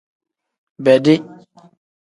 Bedi.